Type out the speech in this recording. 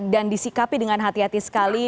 dan disikapi dengan hati hati sekali